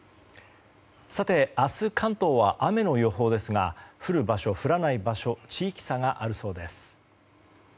明日関東は雨の予報ですが降る場所、降らない場所に地域差があるそうです。